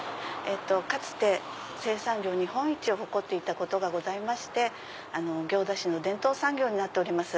かつて生産量日本一を誇っていたことがございまして行田市の伝統産業になってます。